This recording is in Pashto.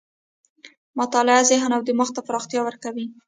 مطالعه ذهن او دماغ ته پراختیا ورکوي.